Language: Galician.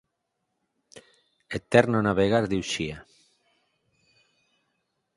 Eterno navegar de Uxía.